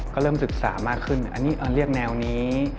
ก็เริ่มศึกษามากขึ้นอันนี้เรียกแนวนี้